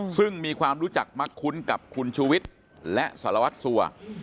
ซึ่งมีความรู้จักมักคุ้นกับคุณชูวิทย์และสารวัตรสัว